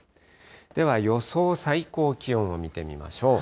では予想最高気温を見てみましょう。